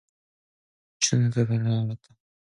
춘우는 그것을 받아 든 그 찰나에 그 속에 돈이 든 것을 알았다.